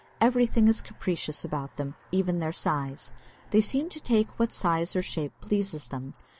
Everything is capricious about them, even their size. They seem to take what size or shape pleases them.